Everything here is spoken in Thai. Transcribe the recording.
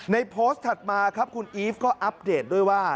โพสต์ถัดมาครับคุณอีฟก็อัปเดตด้วยว่า